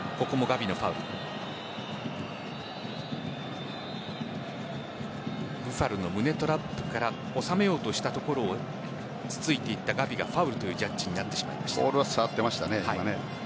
ブファルの胸トラップから収めようとしたところをつついていったガヴィがファウルというボールは触っていましたね。